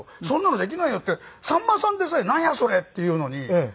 そんなのできないよってさんまさんでさえ「なんやそれ」って言うのに。